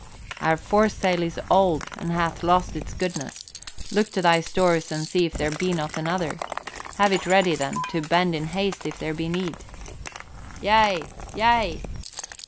"Our foresail is old and hath lost its goodness. Look to thy stores and see if there be not another. Have it ready, then, to bend in haste if there be need." "Yea, yea!"